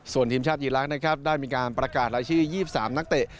ส่วนทีมชาติอีรักษ์นะครับได้มีการประกาศรายชื่อ๒๓นักเตะ